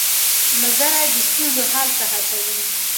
ملګری د ستونزو حل ته هڅوي.